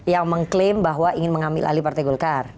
yang mengklaim bahwa ingin mengambil alih partai golkar